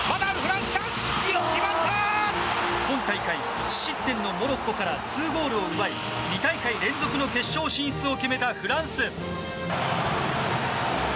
今大会１失点のモロッコから２ゴールを奪い２大会連続の決勝進出を決めたフランス。